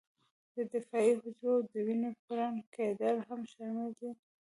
د دفاعي حجرو او د وینې پړن کېدل هم شامل دي.